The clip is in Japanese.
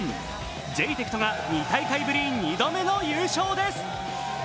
ジェイテクトが２大会ぶり２度目の優勝です。